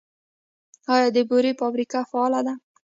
آیا د بورې فابریکه فعاله ده؟